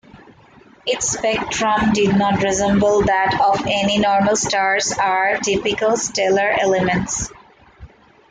Its spectrum did not resemble that of any normal stars with typical stellar elements.